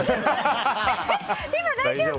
今、大丈夫？